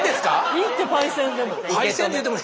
いいって「パイセン」でも。